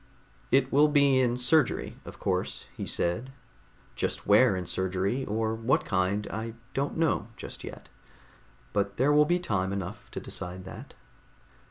"It will be in surgery, of course," he said. "Just where in surgery, or what kind, I don't know just yet. But there will be time enough to decide that."